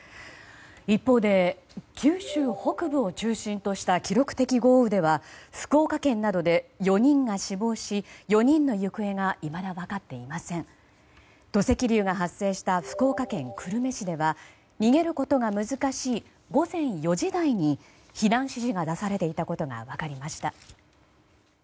一方で九州北部を中心とした記録的豪雨では福岡県などで４人が死亡し４人の行方が土石流が発生した福岡県久留米市では逃げることが難しい午前４時台に避難指示が出されていたことが分かりました。